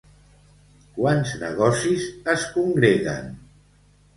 Quants negocis es congreguen?